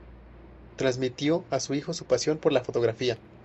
Transmitió a su hijo su pasión por la fotografía.